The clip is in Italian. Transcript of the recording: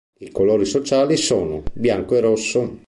I colori sociali sono: bianco e rosso.